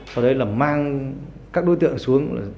sau đấy là mang các đối tượng xuống